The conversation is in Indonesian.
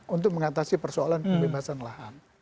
untuk mengatasi persoalan pembebasan lahan